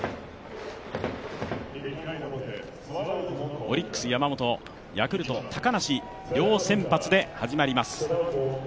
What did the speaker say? オリックス・山本、ヤクルト・高梨、両先発で始まります。